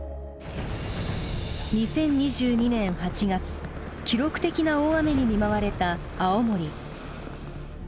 ２０２２年８月記録的な大雨に見舞われた青森。